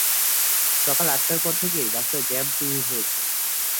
সকাল আটটার পর থেকেই রাস্তায় জ্যাম শুরু হয়েছে।